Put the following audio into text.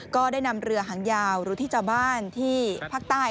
ก็ได้นำเรือหางยาวหรือที่ชาวบ้านที่ภาคใต้